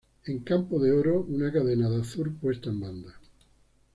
En campo de oro, una cadena, de azur, puesta en banda.